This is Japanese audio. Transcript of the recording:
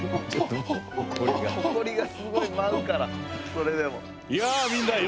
ホコリがすごい舞うからそれでも。